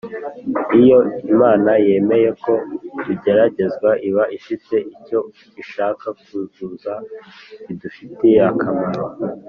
. Iyo Imana yemeye ko tugeragezwa, iba ifite icyo ishaka kuzuza kidufitiye akamaro